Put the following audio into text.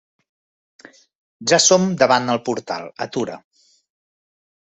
Ja som davant el portal: atura.